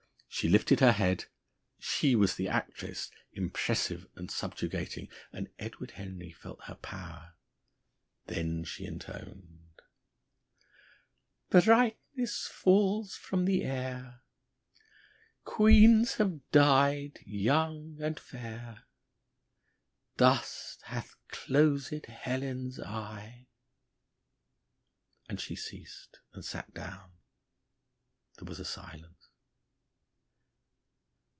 She lifted her head. She was the actress, impressive and subjugating, and Edward Henry felt her power. Then she intoned: "Brightness falls from the air; Queens have died young and fair; Dust hath closed Helen's eye." And she ceased and sat down. There was a silence.